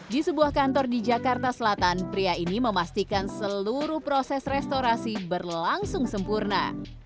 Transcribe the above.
di sebuah kantor di jakarta selatan pria ini memastikan seluruh proses restorasi berlangsung sempurna